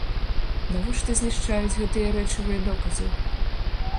Навошта знішчаюцца гэтыя рэчавыя доказы?